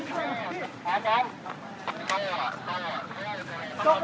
สวัสดีครับ